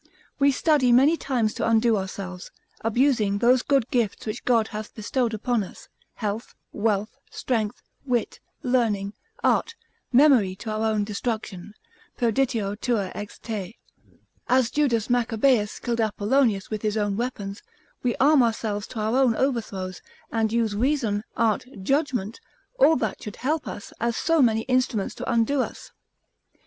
We study many times to undo ourselves, abusing those good gifts which God hath bestowed upon us, health, wealth, strength, wit, learning, art, memory to our own destruction, Perditio tua ex te. As Judas Maccabeus killed Apollonius with his own weapons, we arm ourselves to our own overthrows; and use reason, art, judgment, all that should help us, as so many instruments to undo us.